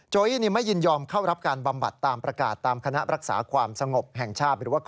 ี้ไม่ยินยอมเข้ารับการบำบัดตามประกาศตามคณะรักษาความสงบแห่งชาติหรือว่า